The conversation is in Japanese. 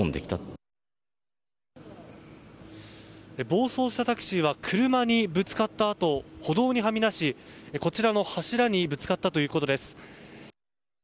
暴走したタクシーは車にぶつかったあと歩道にはみだし、こちらの柱にぶつかったということです。